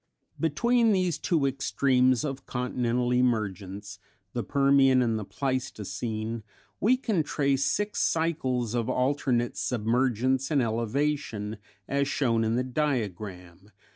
Between these two extremes of continental emergence, the Permian and the Pleistocene, we can trace six cycles of alternate submergence and elevation, as shown in the diagram (Fig.